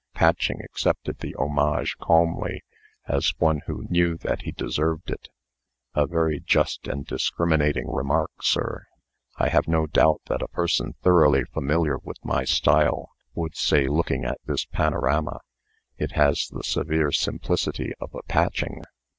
Patching accepted the homage calmly, as one who knew that he deserved it. "A very just and discriminating remark, sir. I have no doubt that a person thoroughly familiar with my style would say, looking at this panorama, 'It has the severe simplicity of a Patching.'